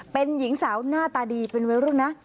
เป็นหญิงสาวหน้าตาดีเป็นวัยรุ่นนะ